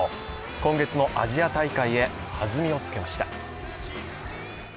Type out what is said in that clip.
今月のアジア大会へ弾みをつけました。